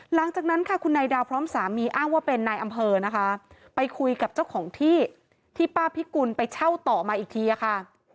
หลังจากนั้นค่ะคุณนายดาวพร้อมสามีอ้างว่าเป็นนายอำเภอนะคะไปคุยกับเจ้าของที่ที่ป้าพิกุลไปเช่าต่อมาอีกทีอะค่ะ